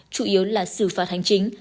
chủ yếu là xử phạt hành chính